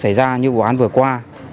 xảy ra như vụ án vừa qua